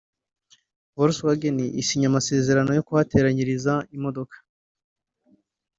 Volkswagen isinya amasezerano yo kuhateranyiriza imodoka